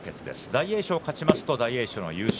大栄翔が勝ちますと大栄翔の優勝。